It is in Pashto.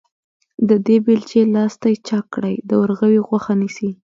د دې بېلچې لاستي چاک کړی، د ورغوي غوښه نيسي.